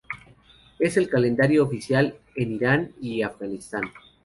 Es el calendario oficial en Irán y Afganistán.